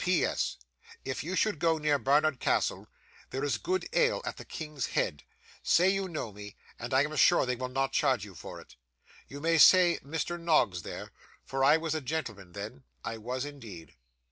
P.S. If you should go near Barnard Castle, there is good ale at the King's Head. Say you know me, and I am sure they will not charge you for it. You may say Mr. Noggs there, for I was a gentleman then. I was indeed.